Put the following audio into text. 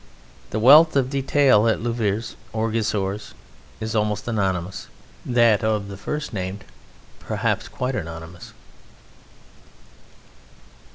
The wealth of detail at Louviers or Gisors is almost anonymous; that of the first named perhaps quite anonymous.